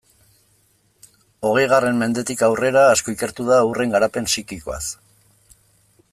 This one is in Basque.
Hogeigarren mendetik aurrera asko ikertu da haurren garapen psikikoaz.